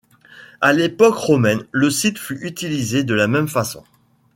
À l'époque romaine le site fut utilisé de la même façon.